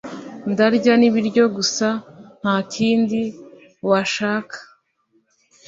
Ndarya ibiryo gusa ntakindi washaka